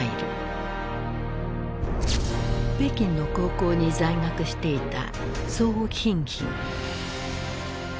北京の高校に在学していた宋彬彬。